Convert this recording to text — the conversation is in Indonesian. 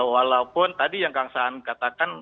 walaupun tadi yang kang saan katakan